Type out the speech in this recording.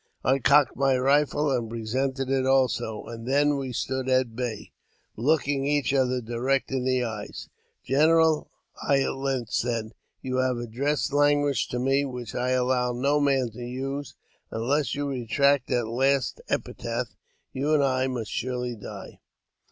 I cocked my rifle and presented it also, and then we stood at bay, looking each other direct in the eye. " General," I at length said, " you have addressed language to me which I allow no man to use, and, unless you retract that last epithet, you or I must surely die."